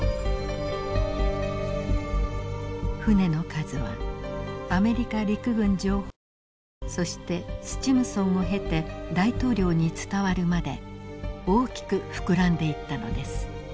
船の数はアメリカ陸軍情報部そしてスチムソンを経て大統領に伝わるまで大きく膨らんでいったのです。